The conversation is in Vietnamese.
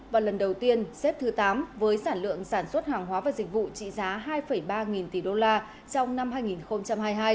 và lần đầu tiên xếp thứ tám với sản lượng sản xuất hàng hóa và dịch vụ trị giá hai ba nghìn tỷ đô la trong năm hai nghìn hai mươi hai